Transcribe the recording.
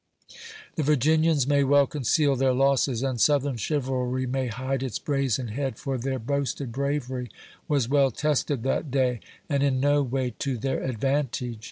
The Virginians may well conceal their losses, and Southern chivalry may hide its brazen head, for their boasted bravery was well tested that day, and in no way to their advantage.